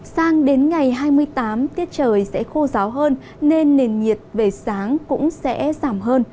sang đến ngày hai mươi tám tiết trời sẽ khô ráo hơn nên nền nhiệt về sáng cũng sẽ giảm hơn